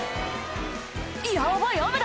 「ヤバい雨だ！